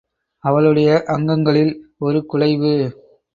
அவளுடைய அங்கங்களில் ஒரு குழைவு.